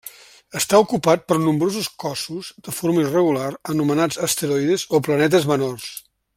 Està ocupat per nombrosos cossos de forma irregular anomenats asteroides o planetes menors.